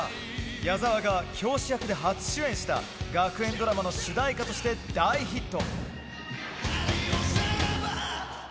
矢沢が教師役で初主演した学園ドラマの主題歌として大ヒット。